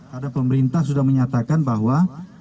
karena pemerintah sudah menyatakan bahwa